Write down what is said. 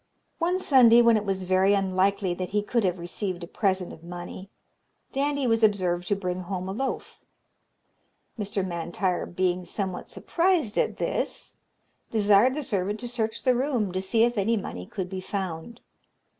"One Sunday, when it was very unlikely that he could have received a present of money, Dandie was observed to bring home a loaf. Mr. M'Intyre being somewhat surprised at this, desired the servant to search the room to see if any money could be found.